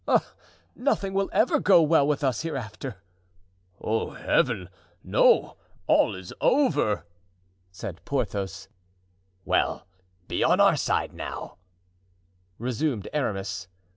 Ah! nothing will ever go well with us hereafter!" "Oh, Heaven! No, all is over!" said Porthos. "Well, be on our side now," resumed Aramis.